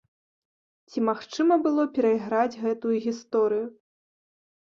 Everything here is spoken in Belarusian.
Ці магчыма было перайграць гэтую гісторыю?